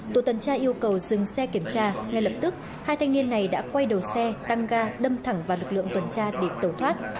tổ tuần tra yêu cầu dừng xe kiểm tra ngay lập tức hai thanh niên này đã quay đầu xe tăng ga đâm thẳng vào lực lượng tuần tra để tẩu thoát